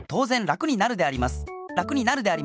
楽になるであります。